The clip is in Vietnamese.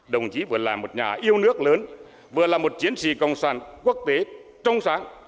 đồng chí vừa là một nhà yêu nước lớn vừa là một chiến sĩ cộng sản quốc tế trong sáng